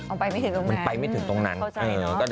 ไปไม่ถึงตรงนั้นมันไปไม่ถึงตรงนั้นเข้าใจเนอะ